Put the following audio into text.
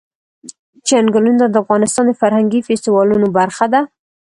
چنګلونه د افغانستان د فرهنګي فستیوالونو برخه ده.